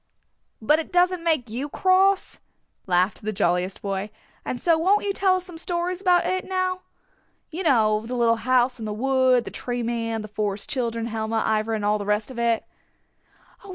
"But it doesn't make you cross," laughed the jolliest boy. "And so won't you tell us some stories about it now. You know, the little house in the wood, the Tree Man, the Forest Children, Helma, Ivra and all the rest of it."